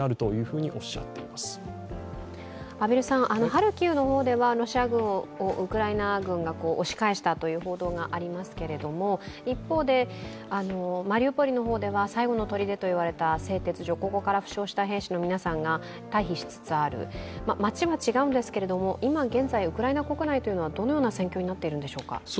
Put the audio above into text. ハルキウの方ではロシア軍がウクライナ軍を押し返したという報道がありますけれども、一方で、マリウポリの方では最後のとりでといわれた製鉄所ここから負傷した兵士の皆さんが退避しつつある、街は違うんですけど今現在、ウクライナ国内というのはどのような戦況になっているんでしょうか。